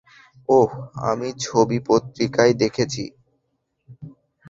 ওহ, তোমার ছবি পত্রিকায় দেখেছি।